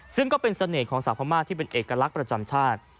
ซึ่งก็เป็นเสน่ห์ของสาวพม่าที่เป็นเอกลักษณ์ประจำชาติ